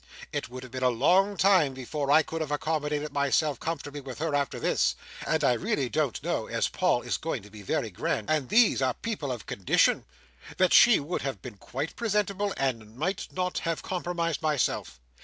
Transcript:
It would have been a long time before I could have accommodated myself comfortably with her, after this; and I really don't know, as Paul is going to be very grand, and these are people of condition, that she would have been quite presentable, and might not have compromised myself.